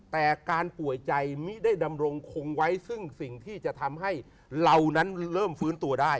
แต่การป่วยใจมิได้ดำรงคงไว้ซึ่งสิ่งที่จะทำให้เรานั้นเริ่มฟื้นตัวได้